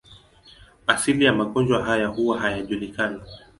Asili ya magonjwa haya huwa hayajulikani.